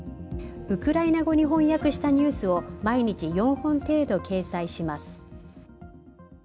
ウクライナ語に翻訳したニュースを毎日４本程度掲載します。